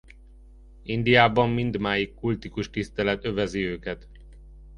Indiában mindmáig kultikus tisztelet övezi őket.